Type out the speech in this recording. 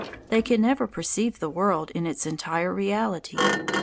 They can never perceive the world in its entire reality.